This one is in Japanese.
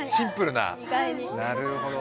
なるほど。